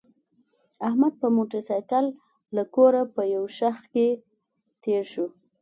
احمد په موټرسایکل له کوره په یو شخ کې تېر شو.